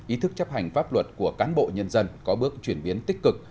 ý thức chấp hành pháp luật của cán bộ nhân dân có bước chuyển biến tích cực